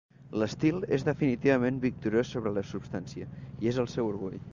L'estil és definitivament victoriós sobre la substància, i és el seu orgull.